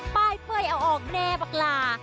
ป้ายเผยเอาออกแน่บักล่า